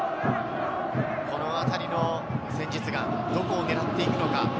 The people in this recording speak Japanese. このあたりの戦術はどこを狙っていくのか。